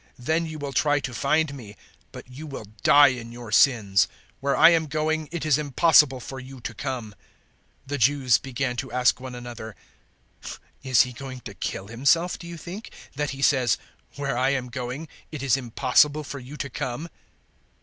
Then you will try to find me, but you will die in your sins. Where I am going, it is impossible for you to come." 008:022 The Jews began to ask one another, "Is he going to kill himself, do you think, that he says, `Where I am going, it is impossible for you to come'?"